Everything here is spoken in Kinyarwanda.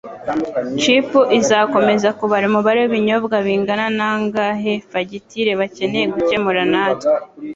Chip izakomeza kubara umubare wibinyobwa bingana nangahe fagitire bakeneye gukemura natwe